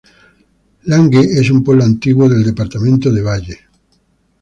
Langue es un pueblo antiguo del departamento de valle.